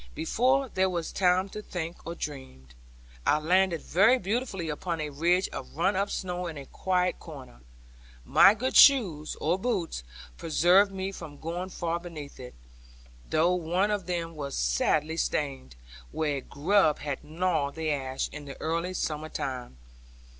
Before there was time to think or dream, I landed very beautifully upon a ridge of run up snow in a quiet corner. My good shoes, or boots, preserved me from going far beneath it; though one of them was sadly strained, where a grub had gnawed the ash, in the early summer time.